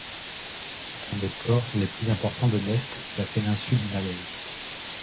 C'est un des ports les plus importants de l'Est de la péninsule Malaise.